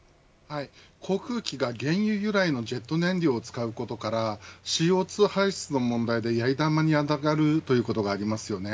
航空機が原油由来のジェット燃料を使うことからＣＯ２排出の問題でやり玉に上がるということがありますよね。